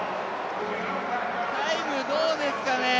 タイムどうですかね。